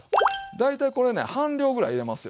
大体これね半量ぐらい入れますよ